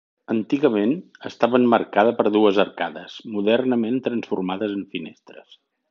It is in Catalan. Antigament estava emmarcada per dues arcades, modernament transformades en finestres.